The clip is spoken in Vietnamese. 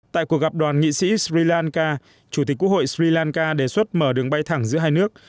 tại cuộc gặp đoàn nghị sĩ sri lanka chủ tịch quốc hội sri lanka đề xuất mở đường bay thẳng giữa hai nước